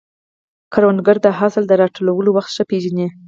کروندګر د حاصل د راټولولو وخت ښه پېژني